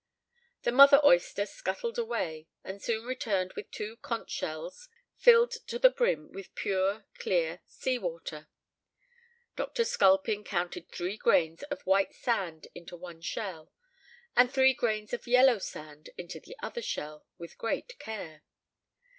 The mother oyster scuttled away, and soon returned with two conch shells filled to the brim with pure, clear sea water. Dr. Sculpin counted three grains of white sand into one shell, and three grains of yellow sand into the other shell, with great care.